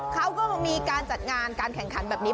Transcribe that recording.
เขาก็มีการจัดงานการแข่งขันแบบนี้